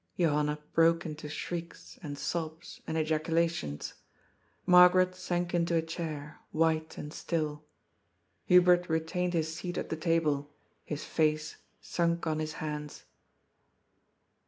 Johanna broke into shrieks and sobs and ejaculations. Margaret sank into a chair, white and still. Hubert retained his seat at the table, his face sunk on his hands.